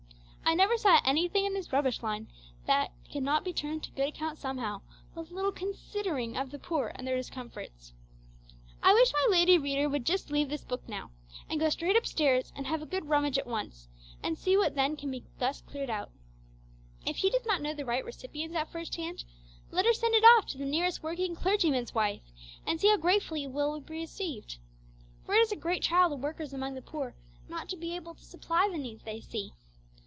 I never saw anything in this 'rubbish' line yet that could not be turned to good account somehow, with a little considering of the poor and their discomforts. I wish my lady reader would just leave this book now, and go straight up stairs and have a good rummage at once, and see what can be thus cleared out. If she does not know the right recipients at first hand, let her send it off to the nearest working clergyman's wife, and see how gratefully it will be received! For it is a great trial to workers among the poor not to be able to supply the needs they see.